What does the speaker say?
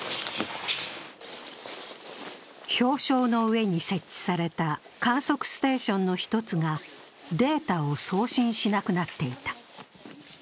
氷床の上に設置された観測ステーションの１つがデータを送信しなくなっていた。